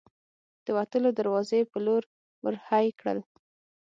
د وتلو دروازې په لور ور هۍ کړل.